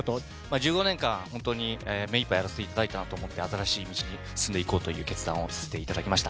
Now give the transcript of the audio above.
１５年間、本当に目いっぱいやらせていただいたなと思って、新しい道に進んでいこうという決断をさせていただきました。